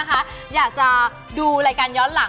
แฟนเพจแม่บ้านบรรจนบาน